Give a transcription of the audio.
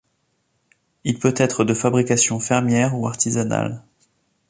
Il peut être de fabrication fermière ou artisanale.